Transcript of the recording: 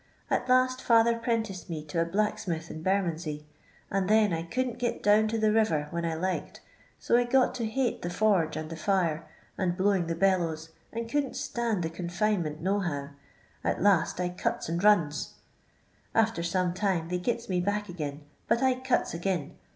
At last father 'prenticed me to a blacksmith in Bermondsey, and then I couldn't git down to the river vhen I liicd, to I got to hate the forge and Oiefire, and blowing the hcUovtf and couldn't stand the con' finement no how, — at last I cutt and runt. After some time they gits me back ag'in, but I cuts ag'in.